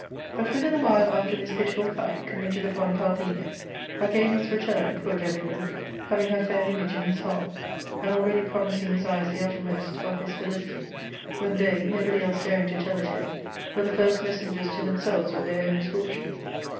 " But, within a while after this pitiful fact* committed upon Parthenia, Argalus returned (poor gentleman !), having her fair image in his heart, and already promising his eyes the uttermost of his felicity, when they, nobody else daring to tell it him, were the first messengers to themselves of their own misfortune.